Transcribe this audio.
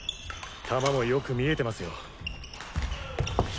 球もよく見えてますよ。